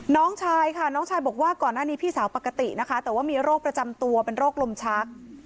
น้องชายค่ะน้องชายบอกว่าก่อนหน้านี้พี่สาวปกตินะคะแต่ว่ามีโรคประจำตัวเป็นโรคลมชัก